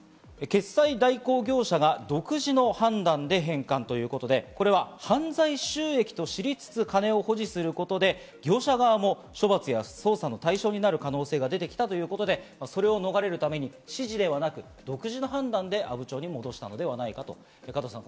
決済代行業者が独自の判断で返還ということで、犯罪収益と知りつつ金を保持することで業者側も処罰や捜査の対象になる可能性が出てきたということで、それを逃れるために指示ではなく、独自の判断で阿武町に戻したのではないかということです。